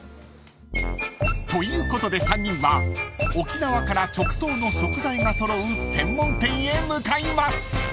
［ということで３人は沖縄から直送の食材が揃う専門店へ向かいます］